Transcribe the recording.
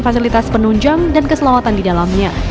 fasilitas penunjang dan keselamatan di dalamnya